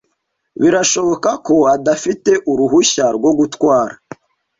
Birashoboka ko adafite uruhushya rwo gutwara.